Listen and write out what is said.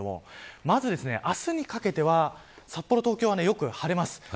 まず、あすにかけては札幌、東京はよく晴れます。